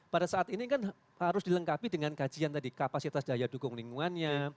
pada saat ini kan harus dilengkapi dengan kajian tadi kapasitas daya dukung lingkungannya